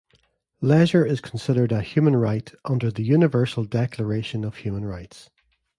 Leisure is considered a human right under the Universal Declaration of Human Rights.